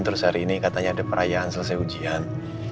terus hari ini katanya ada perayaan selesai ujian